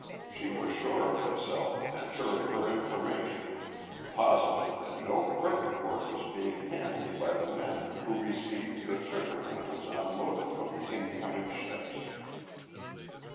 She was sure of herself and sure of her information, positive that no crooked work was being handled by the men who received the sugar when it was unloaded from the incoming ships.